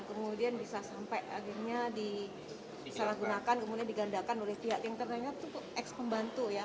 kemudian bisa sampai akhirnya disalahgunakan kemudian digandakan oleh pihak yang ternyata cukup eks membantu ya